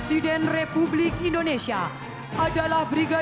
lieutenant colonel irga hayu kostrat